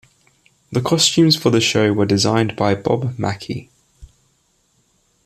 The costumes for the show were designed by Bob Mackie.